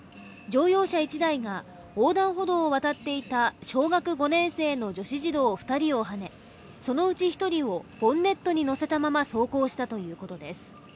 乗用車１台が横断歩道を渡っていた小学５年生の女子児童２人をはね、そのうち１人をボンネットに乗せたまま走行したということです。